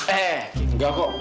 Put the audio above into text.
eh enggak kok